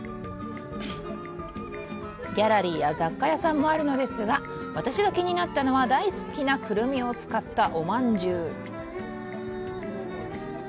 ギャラリーや雑貨屋さんもあるのですが私が気になったのは大好きなクルミを使ったお饅頭。